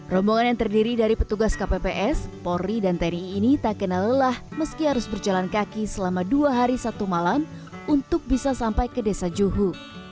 rombongan yang terdiri dari petugas kpps polri dan tni ini tak kenal lelah meski harus berjalan kaki selama dua hari satu malam untuk bisa sampai ke desa juhu